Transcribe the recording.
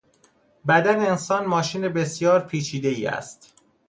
بدن انسان ماشین بسیار پیچیدهای است.